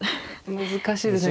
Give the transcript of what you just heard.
難しいですね。